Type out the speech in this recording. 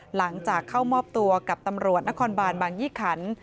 หลังจากเข้ามอบตัวกับตำรวจนครบานบางยี่ขัน